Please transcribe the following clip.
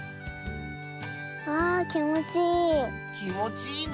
きもちいい！